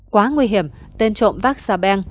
quá nguy hiểm tên trộm vaxabeng